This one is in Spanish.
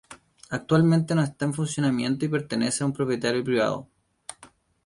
Actualmente no está en funcionamiento y pertenece a un propietario privado.